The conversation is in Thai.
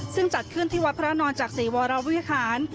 ซึ่งจัดขึ้นที่วัดพระนอนจากศรีวรวิหาร